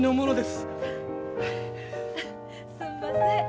すんません。